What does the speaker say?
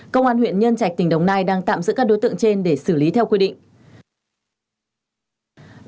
công an huyện nhân trạch tỉnh đồng nai đang tạm giữ các đối tượng trên để xử lý theo quy định